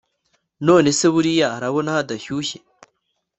none se buria arabona hadashyushye